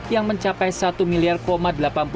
yang mencapai rp satu delapan puluh